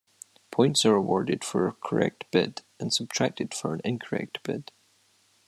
Points are awarded for a correct bid and subtracted for an incorrect bid.